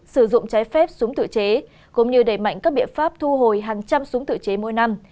sử dụng trái phép súng tự chế cũng như đẩy mạnh các biện pháp thu hồi hàng trăm súng tự chế mỗi năm